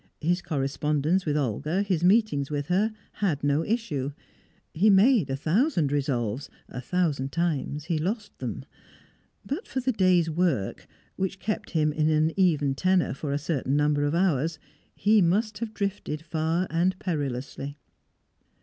His correspondence with Olga, his meetings with her, had no issue. He made a thousand resolves; a thousand times he lost them. But for the day's work, which kept him in an even tenor for a certain number of hours, he must have drifted far and perilously.